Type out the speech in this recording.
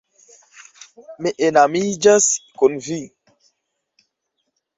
Mi enamiĝas kun vi!